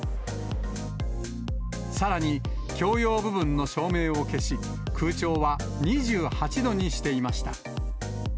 さらに共用部分の照明を消し、空調は２８度にしていました。